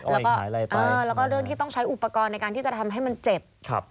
แล้วก็เรื่องที่ต้องใช้อุปกรณ์ในการที่จะทำให้มันเจ็บ